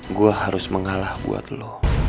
gue harus mengalah buat lo